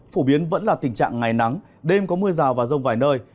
phổ biến vẫn là tình trạng ngày nắng đêm có mưa rào và rông vài nơi